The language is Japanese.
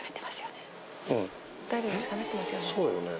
そうよね。